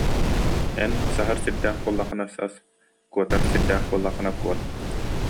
«Эн саһар сирдээх буоллаххына сас, куотар сирдээх буоллаххына куот»